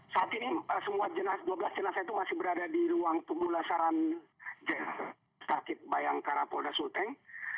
saat ini semua dua belas jenazah itu masih berada di ruang pemulasaran sakit bayangkara polda sulteng